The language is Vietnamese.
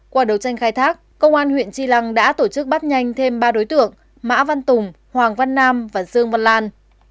qua đấu tranh khai thác công an huyện tri lăng đã tổ chức bắt nhanh thêm ba đối tượng mã văn tùng hoàng văn nam và dương văn lan